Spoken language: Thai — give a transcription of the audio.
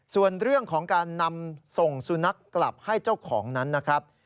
ส่วนเรื่องของการนำส่งสุนัขกลับให้เจ้าของนั้นนะครับ